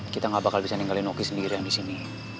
kita gak bakal bisa ninggalin oki sendirian disini